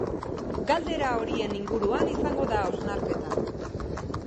Galdera horien inguruan izango da hausnarketa.